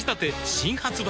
新発売